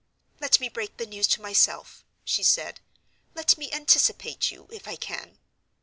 "Let me break the news to myself," she said—"let me anticipate you, if I can.